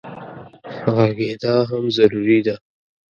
غږېدا هم ضروري ده.